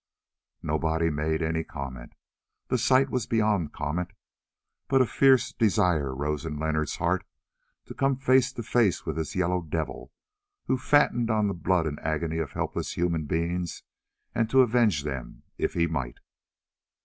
Nobody made any comment. The sight was beyond comment, but a fierce desire rose in Leonard's heart to come face to face with this "Yellow Devil" who fattened on the blood and agony of helpless human beings, and to avenge them if he might.